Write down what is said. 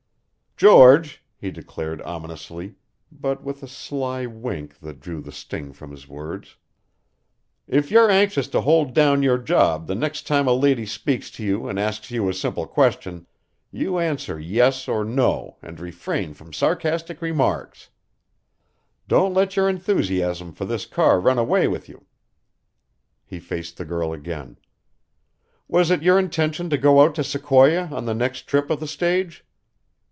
"George," he declared ominously, but with a sly wink that drew the sting from his words, "if you're anxious to hold down your job the next time a lady speaks to you and asks you a simple question, you answer yes or no and refrain from sarcastic remarks. Don't let your enthusiasm for this car run away with you." He faced the girl again. "Was it your intention to go out to Sequoia on the next trip of the stage?"